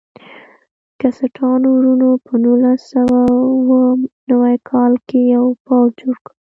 کسټانو وروڼو په نولس سوه اوه نوي کال کې یو پوځ جوړ کړ.